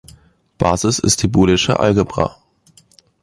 Basis ist die Boolesche Algebra.